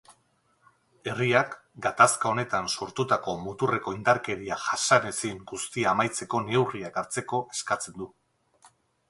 Herriak gatazka honetan sortutako muturreko indarkeria jasanezin guztia amaitzeko neurriak hartzeko eskatzen du.